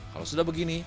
kalau sudah begitu